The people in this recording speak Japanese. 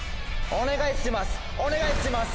お願いします